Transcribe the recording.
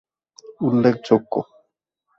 উল্লেখ যোগ্য